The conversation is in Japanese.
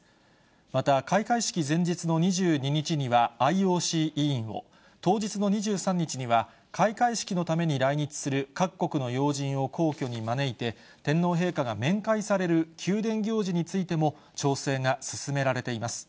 また、開会式前日の２２日にはＩＯＣ委員を、当日の２３日には、開会式のために来日する各国の要人を皇居に招いて、天皇陛下が面会される宮殿行事についても、調整が進められています。